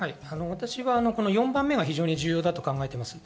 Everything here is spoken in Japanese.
私は４番目が非常に重要だと考えています。